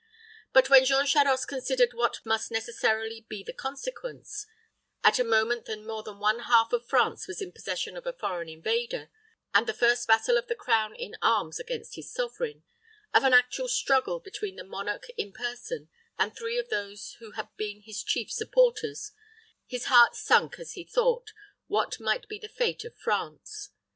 But when Jean Charost considered what must necessarily be the consequence at a moment when more than one half of France was in possession of a foreign invader, and the first vassal of the crown in arms against his sovereign of an actual struggle between the monarch in person, and three of those who had been his chief supporters, his heart sunk as he thought, what might be the fate of France.